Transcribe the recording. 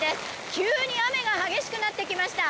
急に雨が激しくなってきました。